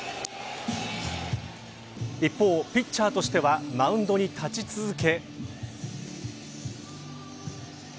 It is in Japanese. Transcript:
一方、ピッチャーとしてはマウンドに立ち続け。